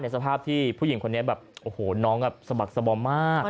สภาพที่ผู้หญิงคนนี้แบบโอ้โหน้องสะบักสบอมมาก